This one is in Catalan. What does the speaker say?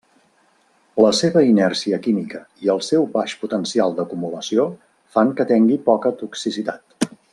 La seva inèrcia química i el seu baix potencial d'acumulació fan que tengui poca toxicitat.